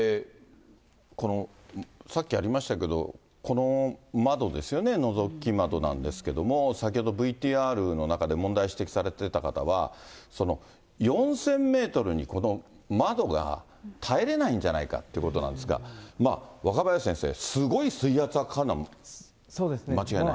さっきありましたけど、この窓ですよね、のぞき窓なんですけども、先ほどＶＴＲの中で問題指摘されてた方は、４０００メートルにこの窓が耐えれないんじゃないかってことなんですが、若林先生、すごい水圧がかかるのは間違いない。